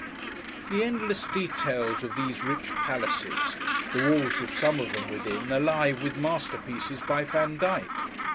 The endless details of these rich Palaces: the walls of some of them, within, alive with masterpieces by Vandyke!